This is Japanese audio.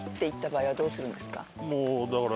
もうだから。